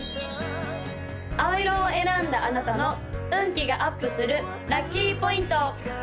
青色を選んだあなたの運気がアップするラッキーポイント！